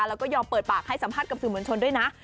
แล้วก็ยอมเปิดปากให้สัมภาษณ์กับสื่อมวลชนด้วยนะ